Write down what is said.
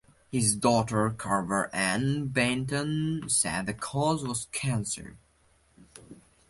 His daughter Carver Ann Boynton said the cause was cancer.